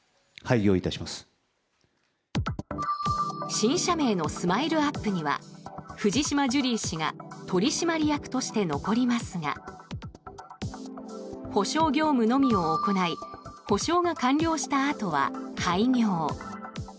新社名のＳＭＩＬＥ−ＵＰ．には藤島ジュリー氏が取締役として残りますが補償業務のみを行い補償が完了したあとは廃業。